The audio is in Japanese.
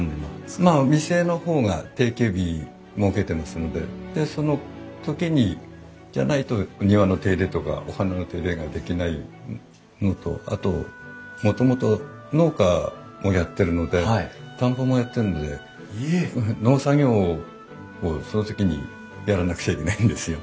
まあ店の方が定休日設けてますのででその時じゃないと庭の手入れとかお花の手入れができないのとあともともと農家もやってるので田んぼもやってるので農作業をその時にやらなくちゃいけないんですよ。